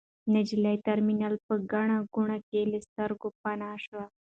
نجلۍ د ترمینل په ګڼه ګوڼه کې له سترګو پناه شوه.